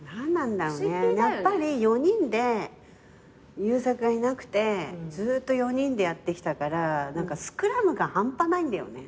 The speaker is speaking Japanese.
やっぱり４人で優作がいなくてずっと４人でやってきたからスクラムが半端ないんだよね。